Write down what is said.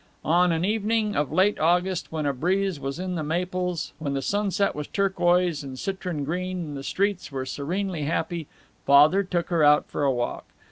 On an evening of late August, when a breeze was in the maples, when the sunset was turquoise and citron green and the streets were serenely happy, Father took her out for a walk.